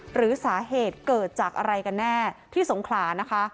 หรือสาเหตุเกิดจากอะไรกันแน่ที่สงขลานะคะ